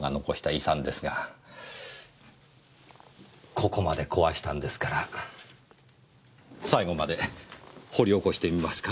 ここまで壊したんですから最後まで掘り起こしてみますか？